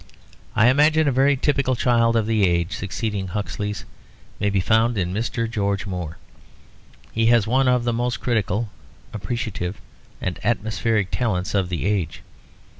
I imagine a very typical child of the age succeeding Huxley's may be found in Mr. George Moore. He has one of the most critical, appreciative and atmospheric talents of the age.